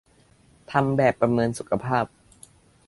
ทำแบบประเมินสุขภาพ